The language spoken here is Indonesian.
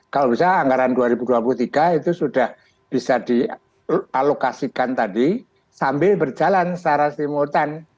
kalau bisa anggaran dua ribu dua puluh tiga itu sudah bisa dialokasikan tadi sambil berjalan secara simultan